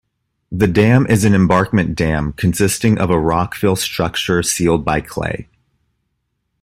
The dam is an embankment dam consisting of a rock-fill structure sealed by clay.